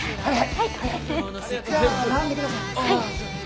はい。